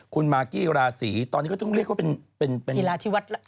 คุณมากกี้ราศีตอนนี้ก็ต้องเรียกว่าเป็นกีฬาที่วัด